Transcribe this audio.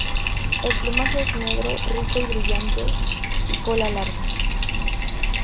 El plumaje es negro, rico y brillante y cola larga.